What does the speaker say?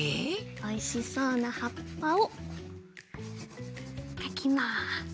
おいしそうなはっぱをかきます。